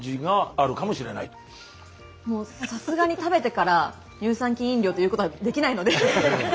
もうさすがに食べてから乳酸菌飲料と言うことはできないので。